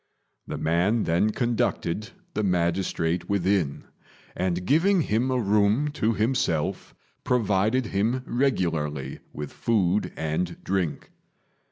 The man then conducted the magistrate within, and giving him a room to himself, provided him regularly with food and drink.